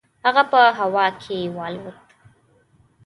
هغه په هوا کې والوت.